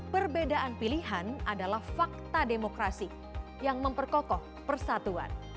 perbedaan pilihan adalah fakta demokrasi yang memperkokoh persatuan